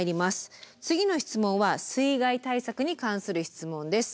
次の質問は水害対策に関する質問です。